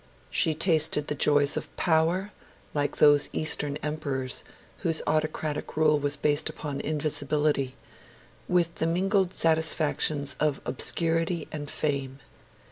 She tasted the joys of power, like those Eastern Emperors whose autocratic rule was based upon invisibility, with the mingled satisfactions of obscurity and fame.